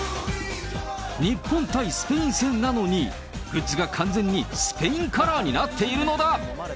日本対スペイン戦なのに、グッズが完全にスペインカラーになっているのだ。